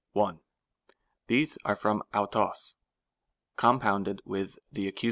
1. These are from avrog compounded with the Ace.